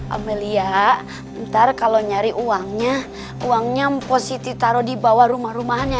amelia ntar kalau nyari uangnya uangnya positif taruh di bawah rumah rumahnya